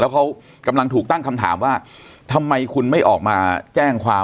เขากำลังถูกตั้งคำถามว่าทำไมคุณไม่ออกมาแจ้งความ